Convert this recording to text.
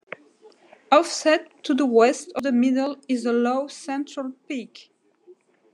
Offset to the west of the middle is a low central peak.